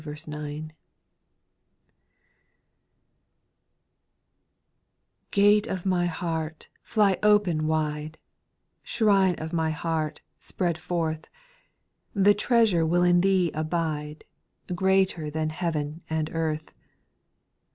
C\ ATE of my heart, fly open wide, \jr Shrine of my heart, spread forth ; The treasure will in thee abide, Greater than heaven and earth.